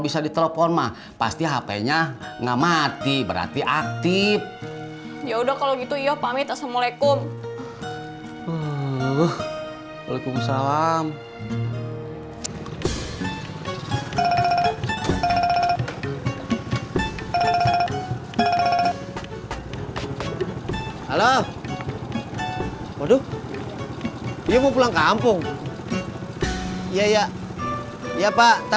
sampai jumpa di video selanjutnya